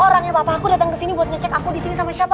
orangnya papa aku datang ke sini buat ngecek aku di sini sama siapa